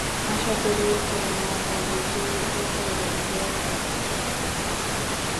আশা করি, তোমার ভ্রমণটি উপভোগ্য হবে।